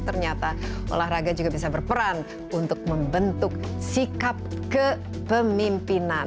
ternyata olahraga juga bisa berperan untuk membentuk sikap kepemimpinan